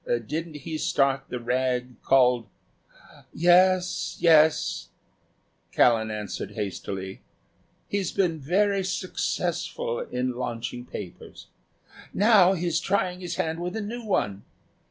"Didn't he start the rag called ?" "Yes, yes," Callan answered, hastily, "he's been very successful in launching papers. Now he's trying his hand with a new one.